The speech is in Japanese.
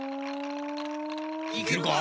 いけるか？